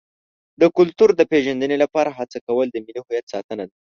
د کلتور د پیژندنې لپاره هڅه کول د ملي هویت ساتنه ده.